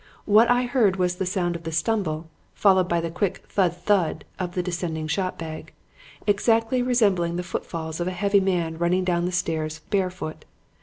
What I heard was the sound of the stumble, followed by the quick thud, thud, of the descending shot bag, exactly resembling the footfalls of a heavy man running down the stairs barefoot.